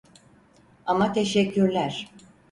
Ama teşekkürler.